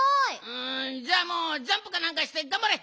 うんじゃあもうジャンプかなんかしてがんばれ！